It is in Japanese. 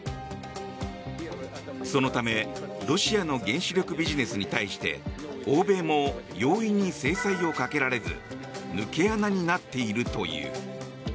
そのためロシアの原子力ビジネスに対して欧米も容易に制裁をかけられず抜け穴になっているという。